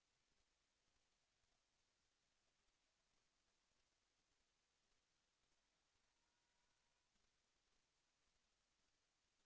แสวได้ไงของเราก็เชียนนักอยู่ค่ะเป็นผู้ร่วมงานที่ดีมาก